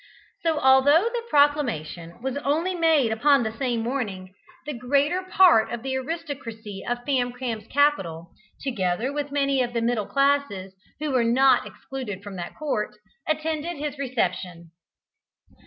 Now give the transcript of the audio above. So although the proclamation was only made upon the same morning, the greater part of the aristocracy of Famcram's capital, together with many of the middle classes, who were not excluded from that court, attended his reception.